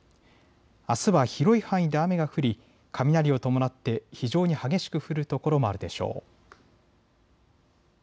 あすは広い範囲で雨が降り雷を伴って非常に激しく降る所もあるでしょう。